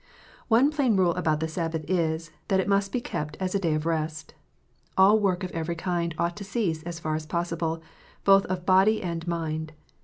One plain rule about the Sabbath is, that it must be kept as a day of rest. All work of every kind ought to cease as far as possible, both of body and mind.